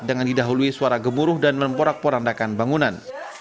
dengan didahului suara gemuruh dan memporak porandakan bangunan